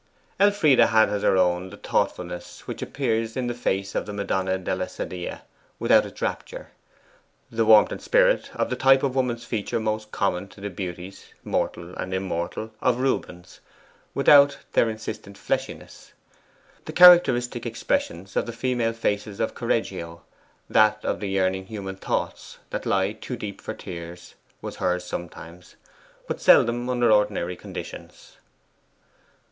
Elfride had as her own the thoughtfulness which appears in the face of the Madonna della Sedia, without its rapture: the warmth and spirit of the type of woman's feature most common to the beauties mortal and immortal of Rubens, without their insistent fleshiness. The characteristic expression of the female faces of Correggio that of the yearning human thoughts that lie too deep for tears was hers sometimes, but seldom under ordinary conditions.